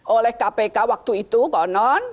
oleh kpk waktu itu konon